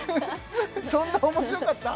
そんな面白かった？